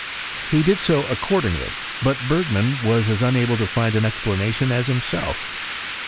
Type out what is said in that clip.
He did so accordingly, but Bergman was as unable to find an explanation as himself.